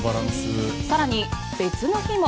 更に、別の日も。